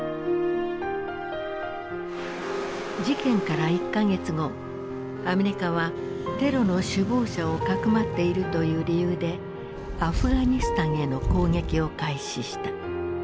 事件から１か月後アメリカはテロの首謀者をかくまっているという理由でアフガニスタンへの攻撃を開始した。